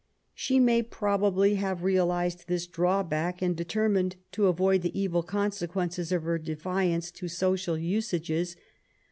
She may probably have realized this drawback and determined to avoid the evil consequences of her de fiance to social usages.